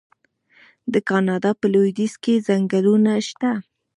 د کاناډا په لویدیځ کې ځنګلونه شته.